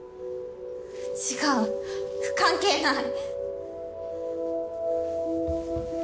違う関係ない。